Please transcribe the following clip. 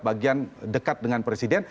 bagian dekat dengan presiden